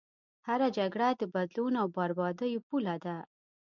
هره جګړه د بدلون او بربادیو پوله ده.